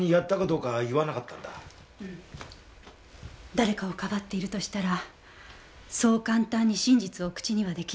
誰かをかばっているとしたらそう簡単に真実を口には出来ないと思う。